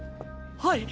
はい。